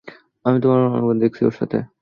আমি তোমাকে অনেকবার দেখেছি ওর সাথে।